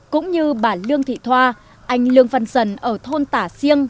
cũng như bà lương thị thoa anh lương văn sần ở thôn tả siêng